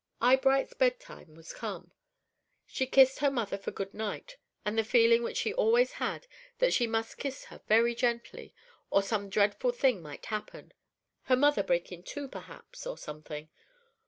Eyebright's bedtime was come. She kissed her mother for good night with the feeling which she always had, that she must kiss very gently, or some dreadful thing might happen, her mother break in two, perhaps, or something.